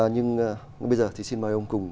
nhưng bây giờ thì xin mời ông cùng